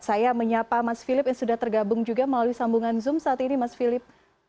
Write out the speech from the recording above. saya menyapa mas philip yang sudah tergabung juga melalui sambungan zoom saat ini mas philip